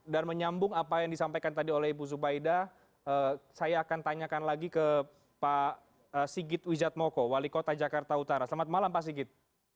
menyambung apa yang disampaikan tadi oleh ibu zubaida saya akan tanyakan lagi ke pak sigit wijatmoko wali kota jakarta utara selamat malam pak sigit